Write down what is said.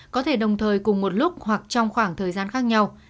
có thể đồng thời cùng một lúc hoặc trong khoảng thời gian khác nhau